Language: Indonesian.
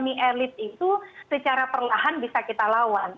jadi bagaimana hegemoni elit itu secara perlahan bisa kita lawan